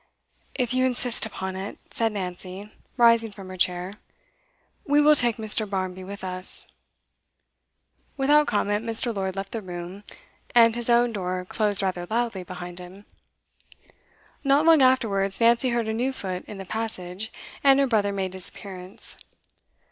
'If you insist upon it,' said Nancy, rising from her chair, 'we will take Mr. Barmby with us.' Without comment, Mr. Lord left the room, and his own door closed rather loudly behind him. Not long afterwards Nancy heard a new foot in the passage, and her brother made his appearance.